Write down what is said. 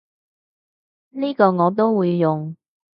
呢個我都會用